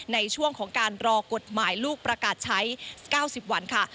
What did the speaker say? ในช่วงของการรอกฎหมายลูกประกาศใช้๙๐วันค่ะ